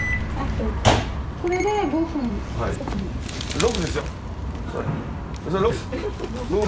これで５分５分。